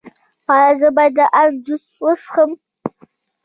ایا زه باید د ام جوس وڅښم؟